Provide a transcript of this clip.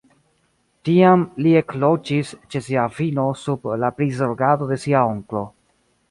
Tiam li ekloĝis ĉe sia avino sub la prizorgado de sia onklo.